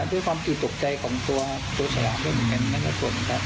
ด้วยความติดตกใจของตัวตัวฉลามด้วยเหมือนกันนั่นแหละส่วนครับ